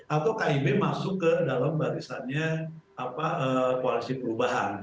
atau kib masuk ke dalam barisannya koalisi perubahan